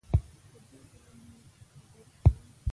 په دې ډول یې تقریر پیل کړ.